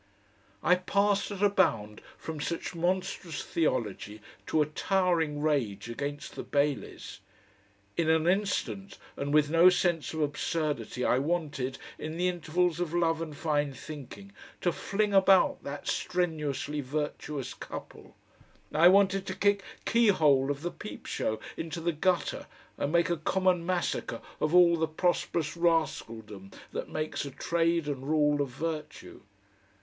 I passed at a bound from such monstrous theology to a towering rage against the Baileys. In an instant and with no sense of absurdity I wanted in the intervals of love and fine thinking to fling about that strenuously virtuous couple; I wanted to kick Keyhole of the PEEPSHOW into the gutter and make a common massacre of all the prosperous rascaldom that makes a trade and rule of virtue.